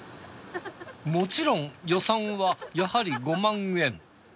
もちろん予算はやはり５万円。